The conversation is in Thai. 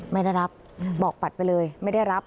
ไม่ได้รับบอกบัตรไปเลยไม่ได้รับ